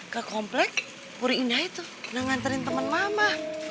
ke komplek puri indah itu pernah nganterin temen mama